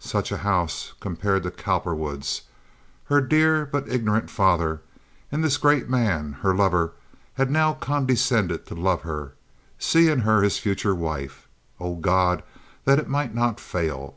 Such a house compared to Cowperwood's! Her dear, but ignorant, father! And this great man, her lover, had now condescended to love her—see in her his future wife. Oh, God, that it might not fail!